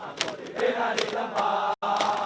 aku dipinari tempat